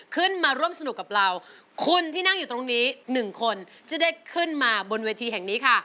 ขึ้นมาร่วมสนุกกับเราคุณที่นั่งอยู่ตรงนี้หนึ่งคนที่ได้ขึ้นมาบนเวทีแห่งนี้ค่ะ